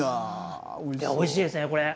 おいしいですね、これ。